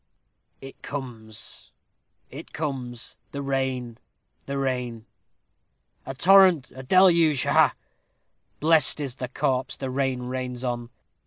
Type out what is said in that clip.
"It comes, it comes the rain the rain a torrent a deluge ha, ha! Blessed is the corpse the rain rains on.